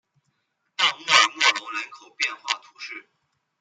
大穆尔默隆人口变化图示